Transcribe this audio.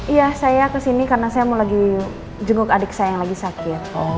iya saya kesini karena saya mau lagi jenguk adik saya yang lagi sakit